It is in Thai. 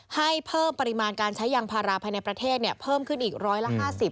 ให้เพิ่มปริมาณการใช้ยางพาราภายในประเทศเพิ่มขึ้นอีกร้อยละ๕๐